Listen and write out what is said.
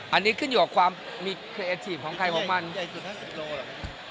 อันนี้ขึ้นอยู่กับความมีของใครของมันใหญ่สุดห้าสิบกิโลหรอ